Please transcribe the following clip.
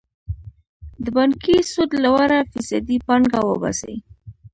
د بانکي سود لوړه فیصدي پانګه وباسي.